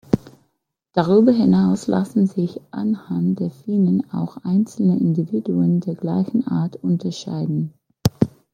Darüber hinaus lassen sich anhand der Finnen auch einzelne Individuen der gleichen Art unterscheiden.